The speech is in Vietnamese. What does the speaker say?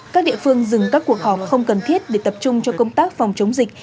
các địa phương dừng các cuộc họp không cần thiết để tập trung cho công tác phòng chống dịch